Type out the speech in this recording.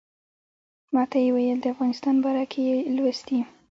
ماته یې ویل د افغانستان باره کې یې لوستي.